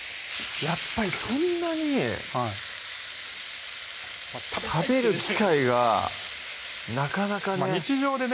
やっぱりそんなに食べる機会がなかなかね日常でね